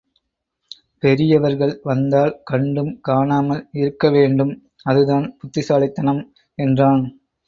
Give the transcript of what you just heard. பெரியவர்கள் வந்தால் கண்டும் காணாமல் இருக்கவேண்டும் அது தான் புத்திசாலித்தனம் என்றான்.